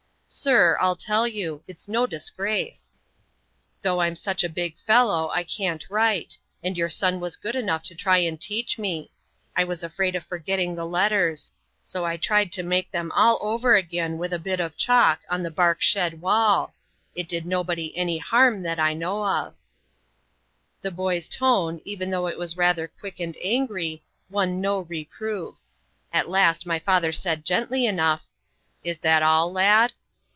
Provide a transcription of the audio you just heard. "Sir, I'll tell you; it's no disgrace. Though I'm such a big fellow I can't write; and your son was good enough to try and teach me. I was afraid of forgetting the letters; so I tried to make them all over again, with a bit of chalk, on the bark shed wall. It did nobody any harm that I know of." The boy's tone, even though it was rather quick and angry, won no reproof. At last my father said gently enough "Is that all, lad?"